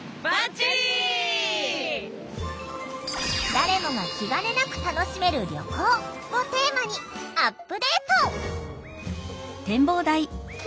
「誰もが気がねなく楽しめる旅行」をテーマにアップデート！